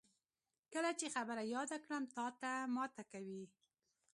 کله چې خبره یاده کړم، تاته ماته کوي.